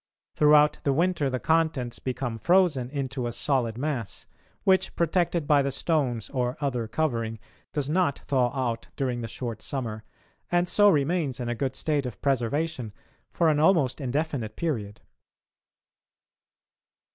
Throughout the winter the contents become frozen into a solid mass, which, protected by the stones or other covering, does not thaw out during the short summer, and so remains in a good state of preservation for an almost indefinite period.